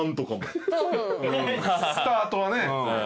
スタートはね。